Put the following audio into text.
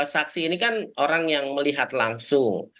saksi ini kan orang yang melihat langsung